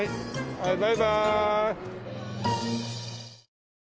はいバイバーイ。